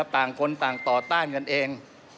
ต่างคนต่างต่อต้านกันเอง